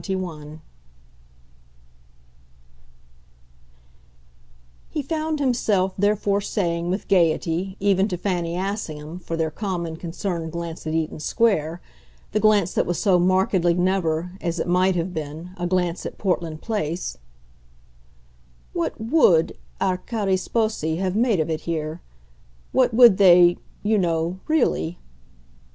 XXI He found himself therefore saying, with gaiety, even to Fanny Assingham, for their common, concerned glance at Eaton Square, the glance that was so markedly never, as it might have been, a glance at Portland Place: "What WOULD our cari sposi have made of it here? what would they, you know, really?"